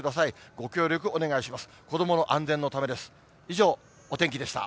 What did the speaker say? ご協力お願いします。